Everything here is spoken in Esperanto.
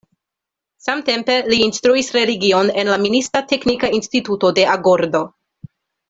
Samtempe, li instruis religion en la minista teknika instituto de Agordo.